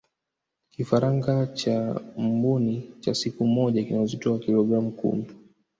kifaranga cha mbuni cha siku moja kina uzito wa kilogramu kumi